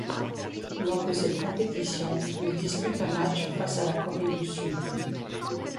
Lors de cette compétition, il dispute un match face à la Corée du Sud.